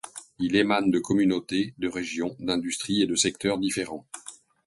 Il émane de communautés, de régions, d'industries et de secteurs différents.